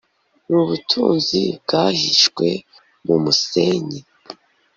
n ubutunzi bwahishwe mu musenyi